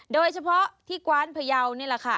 โดยเฉพาะที่กว้านพยาวนี่แหละค่ะ